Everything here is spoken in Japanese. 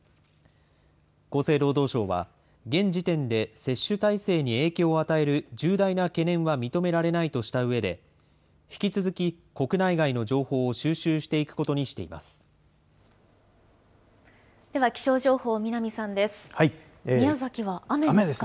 厚生労働省は、現時点で接種体制に影響を与える重大な懸念は認められないとしたうえで、引き続き国内外の情報を収集していくことでは気象情報、南さんです。